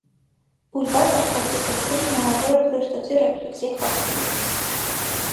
Բուլբար կաթվածի դեպքում հնարավոր է փռշտոցի ռեֆլեքսի խախտում։